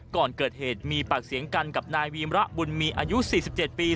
ก่อนเกิดเหตุมีปากเสียงกันกับนายวีมระบุญมีอายุ๔๗ปี